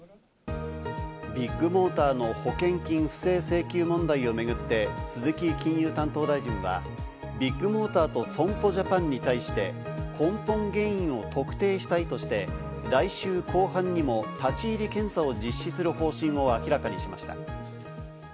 ビッグモーターの保険金不正請求問題を巡って、鈴木金融担当大臣はビッグモーターと損保ジャパンに対して、根本原因を特定したいとして、来週後半にも立ち入り検査を実施する方針を明らかにしました。